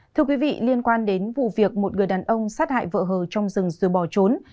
thưa quý vị liên quan đến vụ việc một người đàn ông sát hại vợ hờ trong rừng rồi bỏ trốn